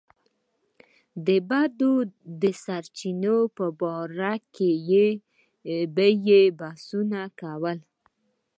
د بدۍ د سرچينې په باره کې به يې بحثونه کول.